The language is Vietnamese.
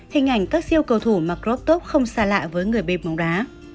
hình ảnh các siêu cầu thủ mặc crop top không xa lạ với người bếp bóng đá